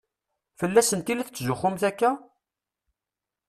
Fell-asent i la tetzuxxumt akka?